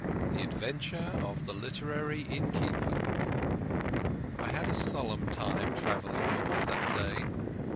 The Adventure of the Literary Innkeeper I had a solemn time travelling north that day.